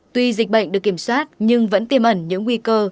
tuy dịch bệnh được kiểm soát nhưng vẫn tiêm ẩn những nguy cơ